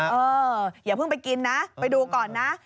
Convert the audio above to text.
อย่าเพิ่งไปกินนะไปดูก่อนนะ